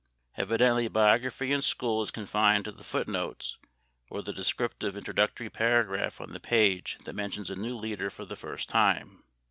Evidently biography in school is confined to the foot notes or the descriptive introductory paragraph on the page that mentions a new leader for the first time.